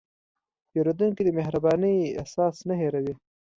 پیرودونکی د مهربانۍ احساس نه هېروي.